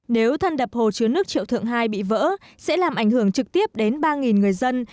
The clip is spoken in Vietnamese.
nếu thân đập hồ chứa nước triệu thượng hai bị vỡ sẽ làm ảnh hưởng trực tiếp đến ba người dân